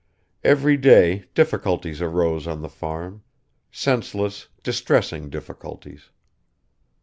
Every day difficulties arose on the farm senseless, distressing difficulties.